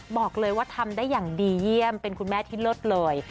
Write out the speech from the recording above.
บอกเลยว่าทำได้อย่างดีเยี่ยมเป็นคุณแม่ที่เลิศเลย